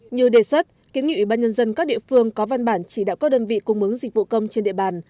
như đề xuất kiến nghị ủy ban nhân dân các địa phương có văn bản chỉ đạo các đơn vị cung mứng dịch vụ công trên địa bàn